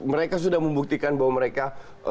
mereka sudah membuktikan bahwa mereka